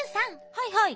はいはい。